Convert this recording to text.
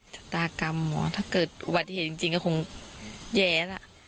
ศัตรากรรมหมอถ้าเกิดอุบัติเหตุจริงจริงก็คงแย๋ล่ะ